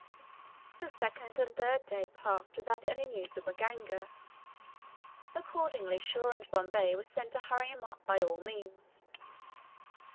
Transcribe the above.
The second and third day passed without any news of Maganga. Accordingly, Shaw and Bombay were sent to hurry him up by all means.